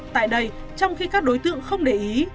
tại đây trong khi các đối tượng không để ý